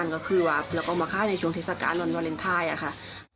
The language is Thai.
ก็คือว่าเราก็มาค่าในช่วงเทศกาลวันวาเลนไทยอะค่ะ